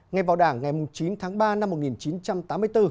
ngay vào đảng ngày chín tháng ba năm một nghìn chín trăm tám mươi bốn